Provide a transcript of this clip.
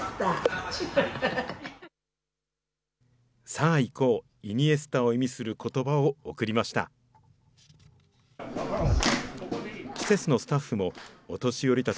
さあ行こう、イニエスタを意味することばを送りました。